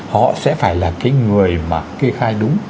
họ sẽ phải là cái người mà kê khai đúng